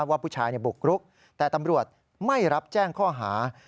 ว่าผู้ชายบุกรุกแต่ตำรวจไม่รับแจ้งข้อหา